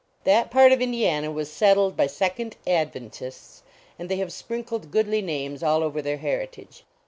That part of Indiana was settled by Second Adventists, and they have sprinkled goodly names all over their heritage.